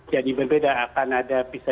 jadi berbeda akan ada bisa